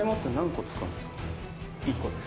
「１個です」